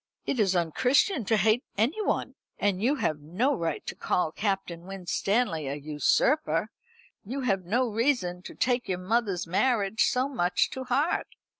"It is unchristian to hate anyone. And you have no right to call Captain Winstanley a usurper. You have no reason to take your mother's marriage so much to heart.